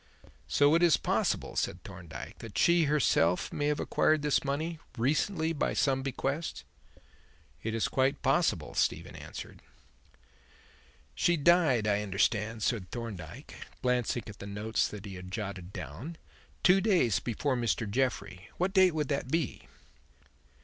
"So that it is possible," said Thorndyke, "that she, herself, may have acquired this money recently by some bequest?" "It is quite possible," Stephen answered. "She died, I understand," said Thorndyke, glancing at the notes that he had jotted down, "two days before Mr. Jeffrey. What date would that be?"